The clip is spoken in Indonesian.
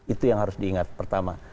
itu yang harus diingat pertama